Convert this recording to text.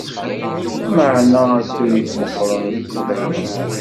Meεna d asurif meqqren i teqbaylit!